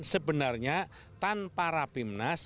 sebenarnya tanpa rapimnas